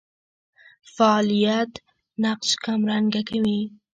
فاعلیت نقش کمرنګه کوي.